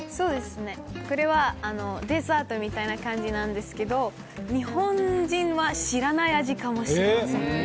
これはデザートみたいな感じなんですけど日本人は知らない味かもしれません。